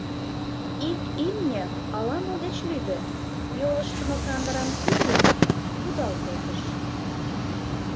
Ик имне ала-мо деч лӱдӧ, йолыштымо кандырам кӱрлын, кудал колтыш.